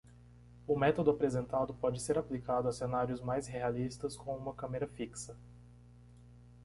O método apresentado pode ser aplicado a cenários mais realistas com uma câmera fixa.